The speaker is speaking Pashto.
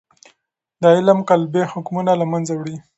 دا علم قالبي حکمونه له منځه وړي.